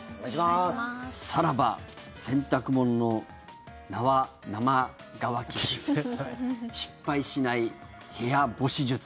さらば洗濯物の、なわ生乾き臭失敗しない部屋干し術。